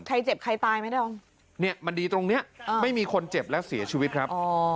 เจ็บใครตายไหมดอมเนี่ยมันดีตรงเนี้ยไม่มีคนเจ็บและเสียชีวิตครับ